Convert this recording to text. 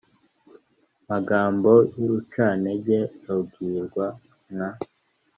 kubera ko batabasha guhangana n’amwe mu magambo y’urucantege babwirwa nka